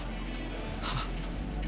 はっ？